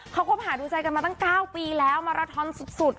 เขาก็ผ่านดูใจกันมาตั้ง๙ปีแล้วมาราธรรมสุด